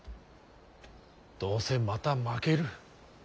どうせまた負ける。